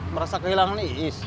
merasa kehilang nih